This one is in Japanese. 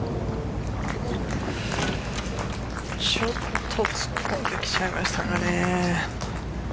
ちょっと突っ込んできちゃいましたかね。